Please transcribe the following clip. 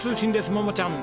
桃ちゃん！